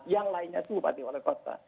yang lainnya itu bupati wali kota